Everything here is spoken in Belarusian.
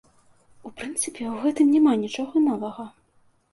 У прынцыпе, у гэтым няма нічога новага.